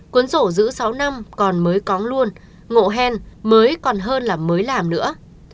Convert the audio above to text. cuốn sổ giữ sáu năm còn mới cóng luôn ngộ hen mới còn hơn là mới làm nữa